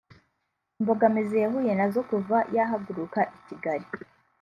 Imbogamizi yahuye nazo kuva yahaguruka i Kigali